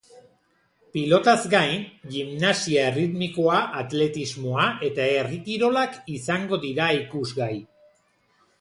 Pilotaz gain, gimnasia erritmikoa, atletismoa eta herri kirolak izango dira ikusgai.